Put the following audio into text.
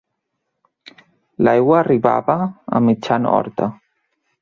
L'aigua arribava a mitjan horta.